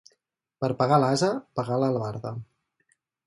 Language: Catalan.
Per pegar a l'ase, pegar a l'albarda.